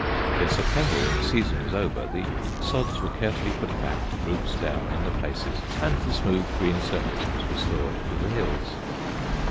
In September, when the season was over, the sods were carefully put back, roots down, in the places, and the smooth green surface was restored to the hills."